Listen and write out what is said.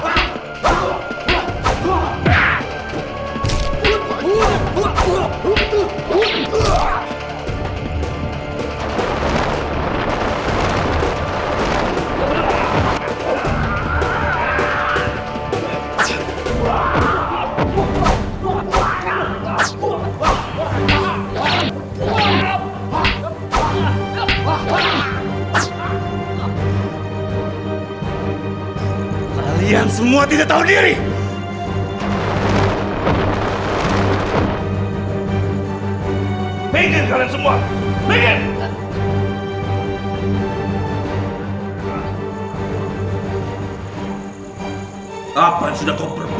apa yang sudah kau berbuat manusia